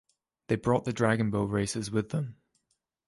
They brought the dragon boat races with them.